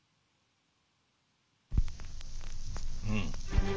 うん。